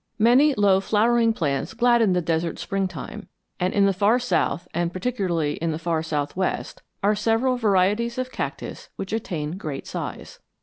Many low flowering plants gladden the desert springtime, and in the far south and particularly in the far southwest are several varieties of cactus which attain great size.